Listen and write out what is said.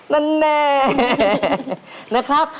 นั่นแน่นะครับ